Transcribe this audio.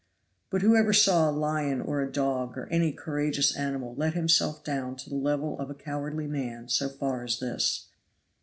But who ever saw a lion or a dog or any courageous animal let himself down to the level of a cowardly man so far as this?